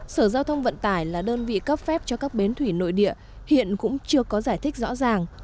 sở giao thông vận tải là đơn vị cấp phép cho các bến thủy nội địa hiện cũng chưa có giải thích rõ ràng